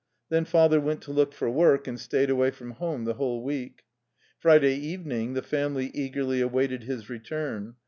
Then father went to look for work, and stayed away from home the whole week. Friday evening the family eagerly awaited his return.